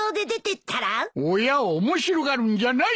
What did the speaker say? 親を面白がるんじゃない！